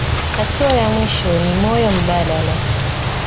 Hatua ya mwisho ni moyo mbadala.